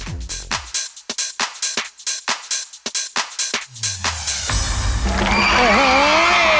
โอ้โห